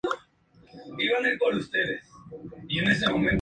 Frecuentemente, Corvalán vinculaba al feminismo con la causa obrera.